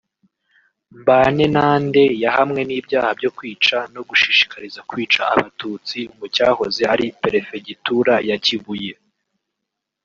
Mbanenande yahamwe n’ibyaha byo kwica no gushishikariza kwica abatutsi mu cyahoze ari perefegitura ya Kibuye